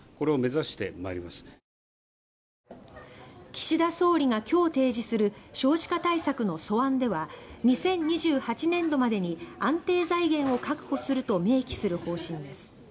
岸田総理が今日提示する少子化対策の素案では２０２８年度までに安定財源を確保すると明記する方針です。